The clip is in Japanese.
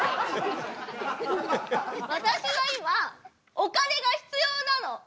私は今お金が必要なの！